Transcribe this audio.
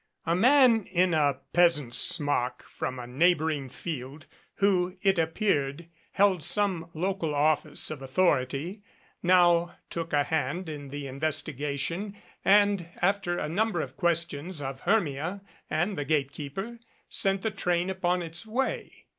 A man in a peasant's smock from a neighboring field, who, it appeared, held some local office of authority, now took a hand in the investigation and, after a number of questions of Hermia and the gate keeper, sent the train upon its way.